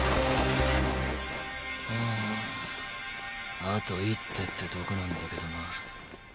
うんあと一手ってとこなんだけどな。